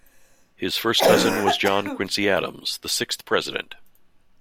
His first cousin was John Quincy Adams, the sixth President.